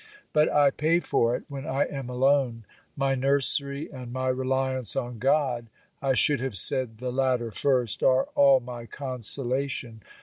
But I pay for it, when I am alone. My nursery and my reliance on God (I should have said the latter first), are all my consolation.